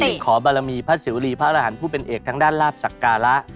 เขาขอบารมีพระศิวรีย์ภรรหันธ์ผู้เป็นเอกทั้งด้านลาบทรักาละ